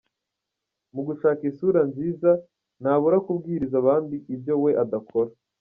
Mu gushaka isura nziza ntabura kubwiriza abandi ibyo we adakora.